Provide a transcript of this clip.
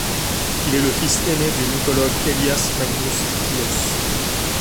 Il est le fils aîné du mycologue Elias Magnus Fries.